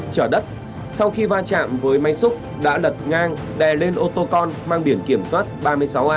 trở đất sau khi va chạm với máy xúc đã lật ngang đè lên ô tô con mang biển kiểm soát ba mươi sáu a sáu mươi một nghìn năm trăm tám mươi năm